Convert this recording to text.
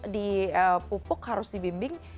dipupuk harus dibimbing